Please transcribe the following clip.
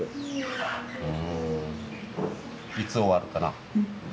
うんいつ終わるかな？